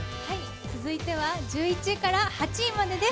続いては１１位から８位までです。